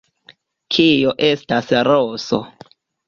Kio estas roso?